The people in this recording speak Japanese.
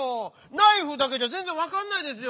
「ナイフ」だけじゃぜんぜんわかんないですよ！